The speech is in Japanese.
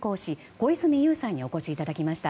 小泉悠さんにお越しいただきました。